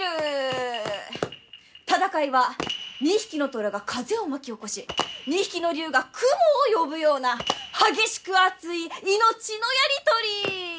戦いは２匹の虎が風を巻き起こし２匹の竜が雲を呼ぶような激しく熱い命のやり取り！